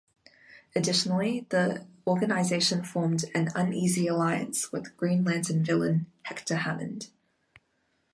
Additionally, the organization formed an uneasy alliance with Green Lantern villain Hector Hammond.